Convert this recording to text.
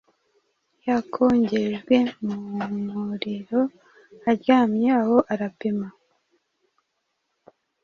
Yakongejwe mu muriro aryamye aho arapima